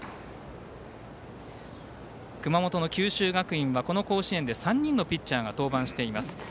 熊本の九州学院はこの甲子園で３人のピッチャーが登板しています。